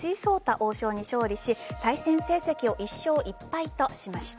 王将に勝利し対戦成績を１勝１敗としました。